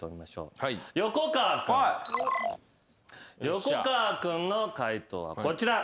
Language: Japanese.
横川君の解答はこちら。